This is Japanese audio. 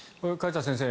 梶田先生